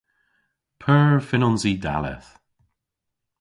P'eur fynnons i dalleth?